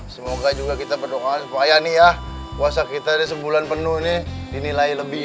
semoga juga kita berdoa supaya nih ya puasa kita di sebulan penuh ini dinilai lebih